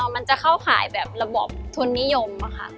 มันจะเข้าข่ายแบบระบบทุนนิยมค่ะ